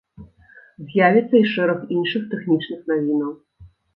З'явіцца і шэраг іншых тэхнічных навінаў.